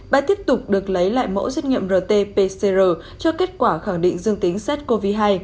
bà tiếp tục được lấy lại mẫu xét nghiệm rt pcr cho kết quả khẳng định dương tính sars cov hai